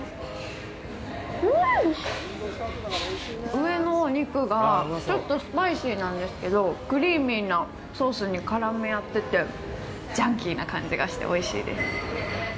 上のお肉がちょっとスパイシーなんですけどクリーミーなソースに絡み合っててジャンキーな感じがしておいしいです